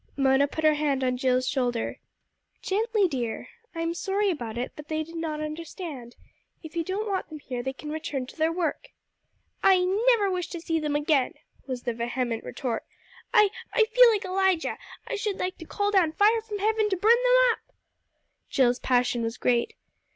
Mona put her hand on Jill's shoulder. "Gently, dear! I am sorry about it, but they did not understand. If you don't want them here they can return to their work!" "I never wish to see them again," was the vehement retort. "I I feel like Elijah. I should like to call down fire from heaven to burn them up!" Jill's passion was great.